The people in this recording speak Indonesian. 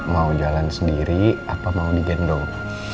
mau jalan sendiri apa mau digendong